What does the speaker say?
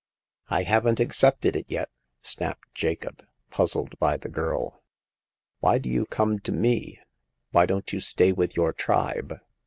" I haven't accepted it yet," snapped Jacob, puzzled by the girl. " Why do you come to me ? Why don't you stay with your tribe ?